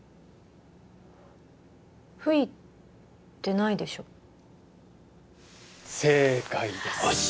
吹いてないでしょ正解ですよしよしよし